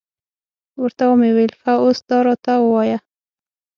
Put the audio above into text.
ورته ومې ویل، ښه اوس دا راته ووایه.